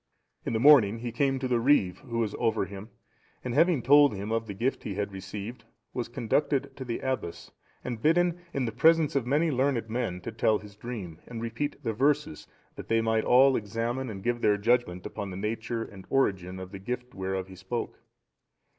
In the morning he came to the reeve(710) who was over him, and having told him of the gift he had received, was conducted to the abbess, and bidden, in the presence of many learned men, to tell his dream, and repeat the verses, that they might all examine and give their judgement upon the nature and origin of the gift whereof he spoke.